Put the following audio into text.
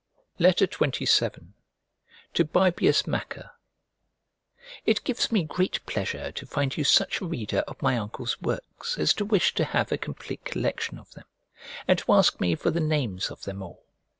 XXVII To BAEBIUS MACER IT gives me great pleasure to find you such a reader of my uncle's works as to wish to have a complete collection of them, and to ask me for the names of them all.